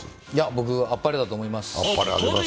僕、あっぱれだと思います。